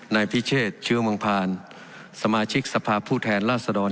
นายพิเศษเชื้อมังพาลสมาชิกสภาพผู้แทนล่าสะดอน